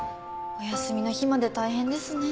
お休みの日まで大変ですね。